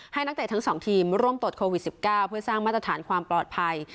นักเตะทั้ง๒ทีมร่วมตรวจโควิด๑๙เพื่อสร้างมาตรฐานความปลอดภัย